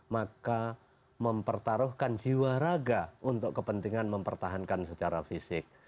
maka mempertaruhkan jiwa raga untuk kepentingan mempertahankan secara fisik